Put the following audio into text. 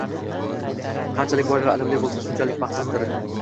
Qanchalik boy va ilmli bo`lsa, shunchalik baxtsizdir